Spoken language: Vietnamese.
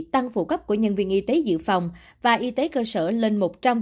tăng phụ cấp của nhân viên y tế dự phòng và y tế cơ sở lên một trăm linh